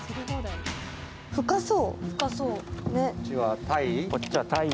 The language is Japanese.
深そう。